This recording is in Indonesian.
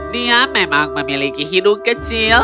dia memang memiliki hidung kecil